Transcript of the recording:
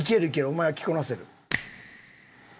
お前は着こなせる。